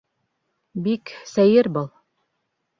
Бик... сәйер был.